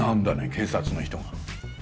警察の人が。